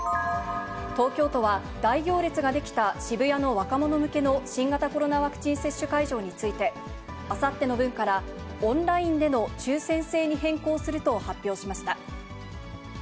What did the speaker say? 東京都は、大行列が出来た渋谷の若者向けの新型コロナワクチン接種会場について、あさっての分から、オンラインでの抽せん制に変更すると発表しました。